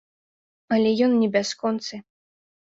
Але ён не бясконцы.